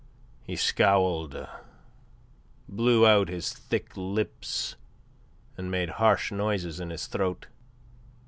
He scowled, blew out his thick lips and made harsh noises in his throat.